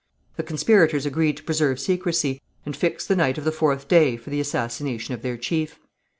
The conspirators agreed to preserve secrecy, and fixed the night of the fourth day for the assassination of their chief.